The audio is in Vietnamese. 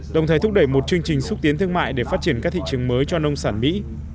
đồng thời thúc đẩy một chương trình xúc tiến thương mại để phát triển các thị trường mới cho nông sản mỹ